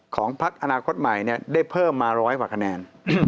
ของพัฒนาคตใหม่ได้เพิ่มมา๑๐๐ขนาด